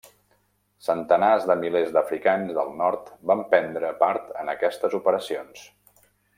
Centenars de milers d'africans del nord van prendre part en aquestes operacions.